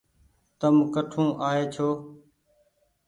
تم ڪٺون آئي ڇوٚنٚ